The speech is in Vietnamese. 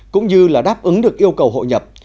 cũng như là đáp ứng được yêu cầu hội nhập